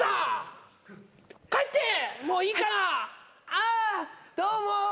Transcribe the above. あどうも。